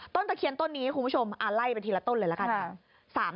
ต้นจะเขียนต้นนี้ให้คุณผู้ชมไล่ไปทีละต้นเลยละกัน